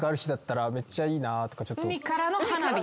海からの花火？